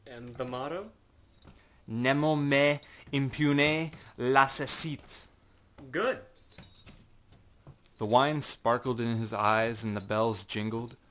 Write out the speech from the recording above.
â âAnd the motto?â â_Nemo me impune lacessit_.â âGood!â he said. The wine sparkled in his eyes and the bells jingled.